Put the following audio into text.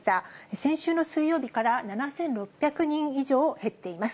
先週の水曜日から７６００人以上減っています。